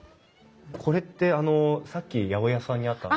これってあのさっき八百屋さんにあった。